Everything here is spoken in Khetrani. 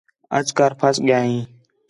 اَچ کر پَھس ڳِیا ہیں